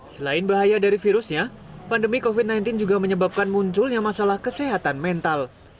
selain bahaya dari virusnya pandemi covid sembilan belas juga menyebabkan munculnya masalah kesehatan mental